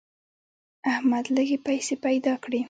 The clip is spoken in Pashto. احمد لږې پیسې پیدا کړې.